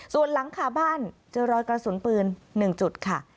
ส่วนหลังคาบ้านเจอรอยกระสุนปืน๑จุดค่ะ